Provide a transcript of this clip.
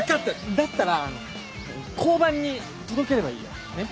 だったら交番に届ければいいよねっ。